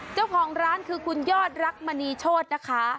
เจ้าของร้านคือคุณยอดรักมณีโชธนะคะ